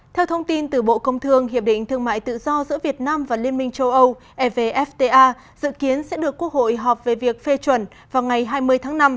theo thông tin từ bộ công thương hiệp định thương mại tự do giữa việt nam và liên minh châu âu evfta dự kiến sẽ được quốc hội họp về việc phê chuẩn vào ngày hai mươi tháng năm